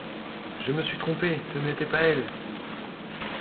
Je me suis trompé, ce n'était pas elle !